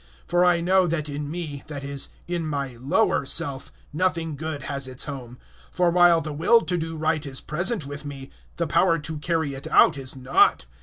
007:018 For I know that in me, that is, in my lower self, nothing good has its home; for while the will to do right is present with me, the power to carry it out is not.